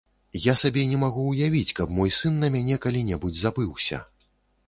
Я сабе не магу ўявіць, каб мой сын на мяне калі-небудзь забыўся.